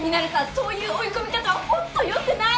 そういう追い込み方は本当よくない！